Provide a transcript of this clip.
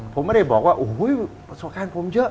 ผมไม่ได้บอกว่าโอ้โหประสบการณ์ผมเยอะ